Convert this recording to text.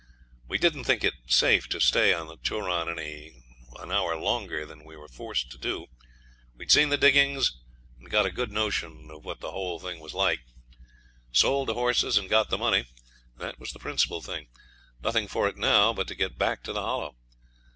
We didn't think it safe to stay on the Turon an hour longer than we were forced to do. We had seen the diggings, and got a good notion of what the whole thing was like; sold the horses and got the money, that was the principal thing. Nothing for it now but to get back to the Hollow.